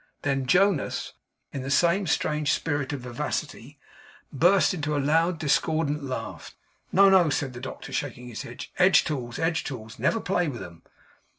Then Jonas (in the same strange spirit of vivacity) burst into a loud discordant laugh. 'No, no,' said the doctor, shaking his head; 'edge tools, edge tools; never play with 'em.